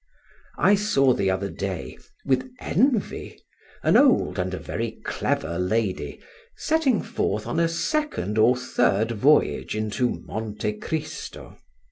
I saw the other day, with envy, an old and a very clever lady setting forth on a second or third voyage into Monte Cristo.